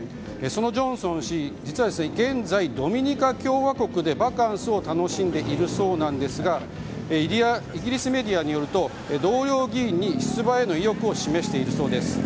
そのジョンソン氏、実は現在ドミニカ共和国でバカンスを楽しんでいるそうなんですがイギリスメディアによると同僚議員に出馬への意欲を示しているそうです。